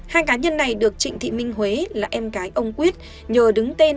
hai cá nhân này được trịnh thị minh huế là em gái ông quyết nhờ đứng tên